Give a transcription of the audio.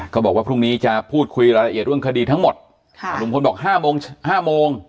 บอกว่าพรุ่งนี้จะพูดคุยรายละเอียดเรื่องคดีทั้งหมดลุงพลบอก๕โมง๕โมง